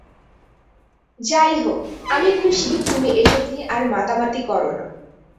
যাই হোক, আমি খুশি তুমি এসব নিয়ে আর মাতামাতি করো না।